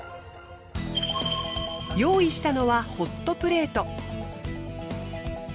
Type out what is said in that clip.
用意したのはホットプレート。